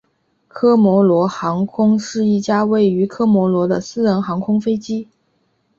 科摩罗航空是一间位于科摩罗的私人航空公司。